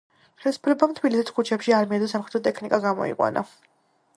ხელისუფლებამ თბილისის ქუჩებში არმია და სამხედრო ტექნიკა გამოიყვანა.